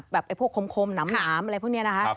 แบบพวกคมหนำหลามอะไรพวกนี้นะคะ